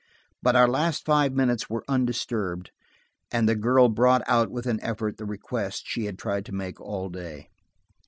But our last five minutes were undisturbed, and the girl brought out with an effort the request she had tried to make all day.